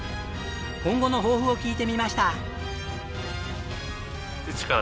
今後の抱負を聞いてみました。